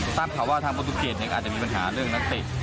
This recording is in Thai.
สังผ่าว่าทางโปรตูเกรดอีกอาจจะมีปัญหาเรื่องนัติ